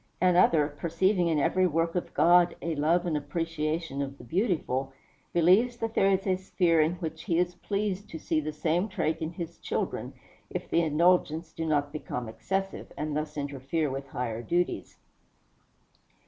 Another, perceiving in every work of God a love and appreciation of the beautiful, believes that there is a sphere in which he is pleased to see the same trait in his children, if the indulgence do not become excessive, and thus interfere with higher duties.